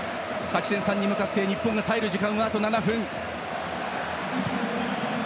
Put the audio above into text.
勝ち点３に向かって日本が耐える時間は７分。